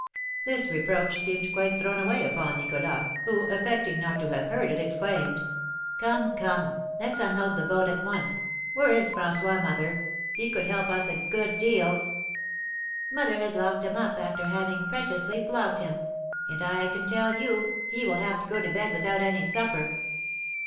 This reproach seemed quite thrown away upon Nicholas, who, affecting not to have heard it, exclaimed: "Come, come! Let's unload the boat at once. Where is François, mother? He could help us a good deal." "Mother has locked him up, after having preciously flogged him; and, I can tell you, he will have to go to bed without any supper."